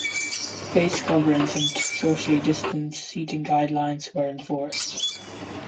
Face coverings and socially distanced seating guidelines were enforced.